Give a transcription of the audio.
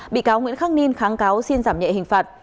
bị cáo nguyễn khắc ninh kháng cáo xin giảm nhẹ hình phạt